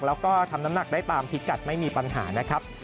แล้วก็ทำน้ำหนักได้ตามพิกัดไม่มีปัญหานะครับ